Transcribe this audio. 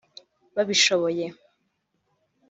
babishoboye